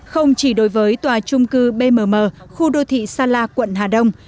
không chỉ đối với tòa trung cư bmm khu đô thị sa la quận hà đông